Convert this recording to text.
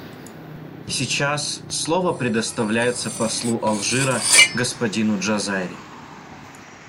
Сейчас слово предоставляется послу Алжира господину Джазайри.